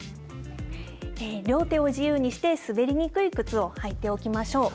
両手を自由にして、滑りにくい靴を履いておきましょう。